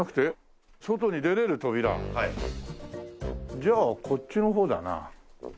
じゃあこっちの方だな。